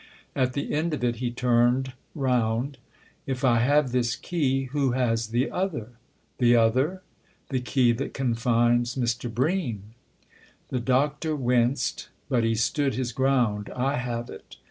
At the end of it he turned round. " If I have this key, who has the other ?" "The other?" " The key that confines Mr. Bream." The Doctor winced, but he stood his ground. " I have it."